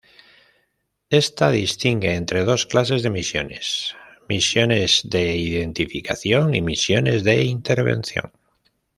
Ésta distingue entre dos clases de misiones: Misiones de identificación y misiones de intervención.